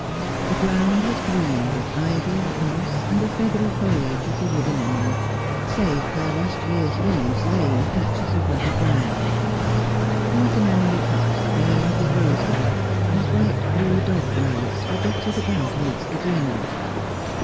The ground was green with ivy, moss, and the feathery foliage of the wood anemone, save where last year's leaves lay in patches of ruddy brown. White anemone cups, veined with rose colour, and bright blue dog violets were dotted about amidst the greenery.